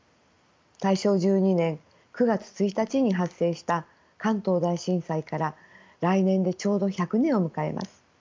大正１２年９月１日に発生した関東大震災から来年でちょうど１００年を迎えます。